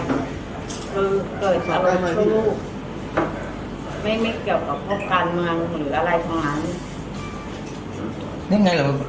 เกิดพันธุไม่มีเกี่ยวกับพวกกาลเมืองหรืออะไรของนั้น